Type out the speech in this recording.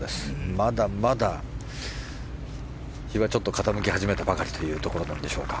まだまだ日は傾き始めたばかりというところでしょうか。